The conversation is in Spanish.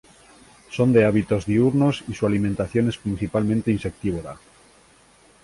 Son de hábitos diurnos y su alimentación es principalmente insectívora.